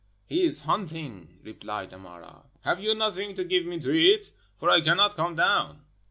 "He is hunting," replied Amara. "Have you nothing to give me to eat? for I cannot come down."